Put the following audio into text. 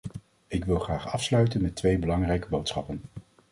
Ik wil graag afsluiten met twee belangrijke boodschappen.